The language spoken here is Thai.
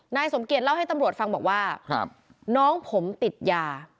นายสมเกียจเล่าให้ตำรวจฟังบอกว่าน้องผมติดยา